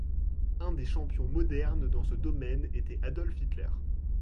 Un des champions modernes dans ce domaine était Adolf Hitler.